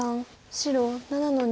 白７の二。